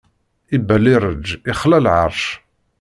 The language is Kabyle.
Ibellireǧ ixla lɛeṛc.